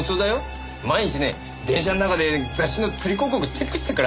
毎日ね電車の中で雑誌のつり広告チェックしてるからね。